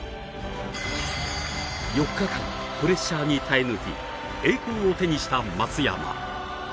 ４日間、プレッシャーに耐え抜き栄光を手にした松山。